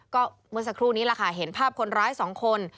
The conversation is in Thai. ก็เมื่อสักครู่นี้เห็นภาพคนร้ายสองคน